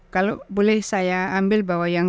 kalau boleh saya ambil bahwa yang